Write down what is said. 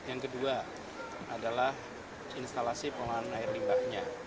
yang kedua adalah instalasi pengelolaan air limbahnya